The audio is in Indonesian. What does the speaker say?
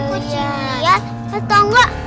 kucing lihat tau gak